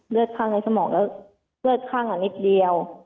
ข้างในสมองแล้วเลือดข้างนิดเดียว